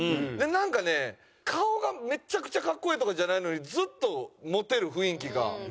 なんかね顔がめちゃくちゃかっこええとかじゃないのにずっとモテる雰囲気があるというか。